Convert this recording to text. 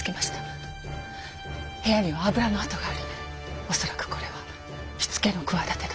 部屋には油の跡があり恐らくこれは火付けの企てだと。